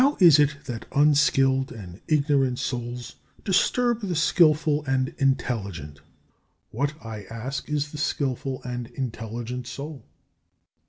32. How is it that unskilled and ignorant souls disturb the skilful and intelligent? What, I ask, is the skilful and intelligent soul?